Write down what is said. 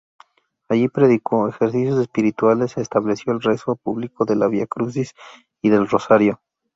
Allí predicó Ejercicios Espirituales, estableció el rezo público del Via Crucis y del Rosario.